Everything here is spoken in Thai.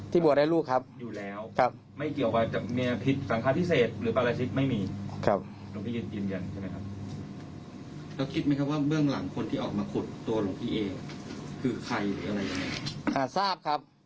ที่บวชได้ลูกครับ